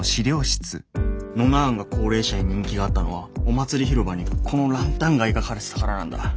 ノナ案が高齢者に人気があったのはお祭り広場にこのランタンが描かれてたからなんだ。